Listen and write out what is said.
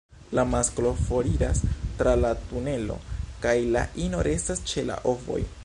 La masklo foriras tra la tunelo, kaj la ino restas ĉe la ovoj.